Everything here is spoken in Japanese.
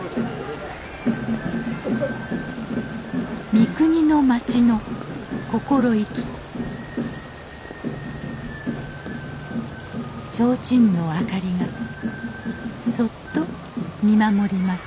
三国の町の心意気提灯のあかりがそっと見守ります